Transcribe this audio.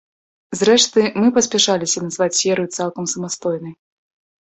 Зрэшты, мы паспяшаліся назваць серыю цалкам самастойнай.